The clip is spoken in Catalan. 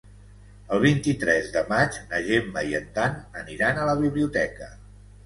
El vint-i-tres de maig na Gemma i en Dan aniran a la biblioteca.